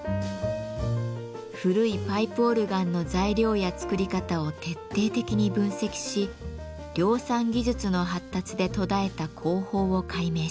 古いパイプオルガンの材料や作り方を徹底的に分析し量産技術の発達で途絶えた工法を解明します。